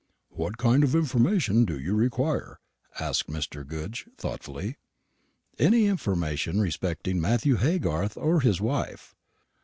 "What kind of information, do you require?" asked Mr. Goodge thoughtfully. "Any information respecting Matthew Haygarth or his wife."